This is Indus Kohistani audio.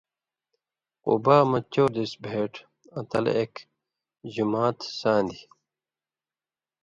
قُبا مہ چؤر دېس بھېٹ، آں تلہ اېک جُماتھ سان٘دیۡ۔